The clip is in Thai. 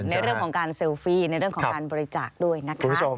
ในเรื่องของการเซลฟี่ในเรื่องของการบริจาคด้วยนะคะ